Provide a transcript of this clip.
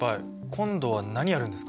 今度は何やるんですか？